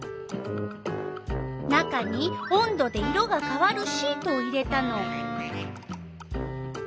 中に温度で色がかわるシートを入れたの。